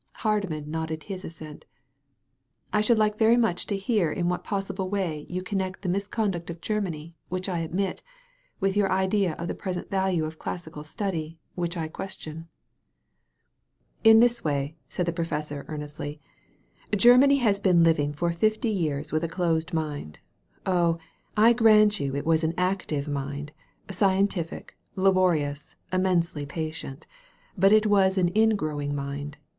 Hardman nodded his assent. '*I should like very much to hear in what possible way you con* nect the misconduct of Grermany, which I admit, with your idea of the present value of classical study» which I question." ''In this way," said the professor earnestly. Germany has been living for fifty years with a closed mind. Oh, I grant you it was an active mind, scientific, laborious, inmiensely patient. But it was an ingrowing mind.